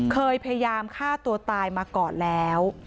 พยายามฆ่าตัวตายมาก่อนแล้ว